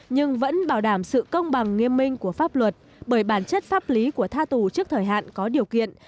nhưng vẫn bảo đảm sự công bằng nghiêm minh của pháp luật bởi bản chất pháp lý của tha tù trước thời hạn có điều kiện